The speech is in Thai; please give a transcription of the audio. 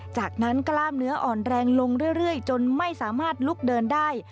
จากนั้นกล้ามเนื้ออ่อนแรงลงเรื่อยจนไม่สามารถลุกเดินได้